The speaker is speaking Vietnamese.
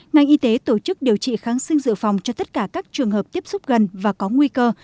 ngành y tế tổ chức điều trị kháng sinh dự phòng cho tất cả các trường hợp tiếp xúc gần và có nguy cơ